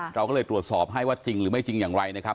เราก็เลยตรวจสอบให้ว่าจริงหรือไม่จริงอย่างไรนะครับ